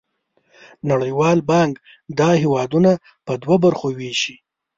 نړیوال بانک دا هېوادونه په دوه برخو ویشي.